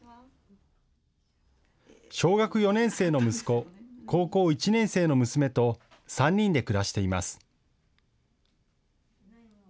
小学４年生の息子、高校１年生の娘と３人で暮らしています。